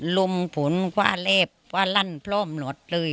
ลุมฝนกว่าเล็บกว่ารั่นพร่อมหลดเลย